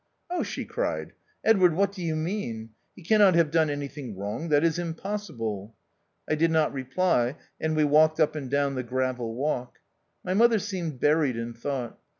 " Oh I " she cried, "Edward, what do you mean? He cannot have done anything wrong ; that is impossible." I did not reply, and we walked up and down the gravel walk. My mother seemed buried in thought.